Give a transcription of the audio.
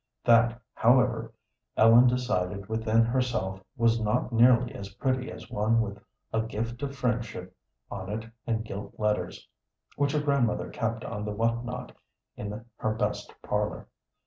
That, however, Ellen decided within herself was not nearly as pretty as one with "A Gift of Friendship" on it in gilt letters which her grandmother kept on the whatnot in her best parlor.